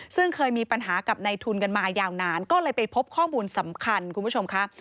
ซึ่งเคยมีปัญหากับในทุนกันมายาวนานก็เลยไปพบข้อมูลสำคัญคุณผู้ชมค่ะ